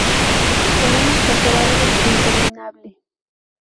Tenemos que hacer algo interminable".